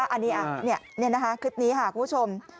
อันนี้คลิปนี้ค่ะคุณผู้ชม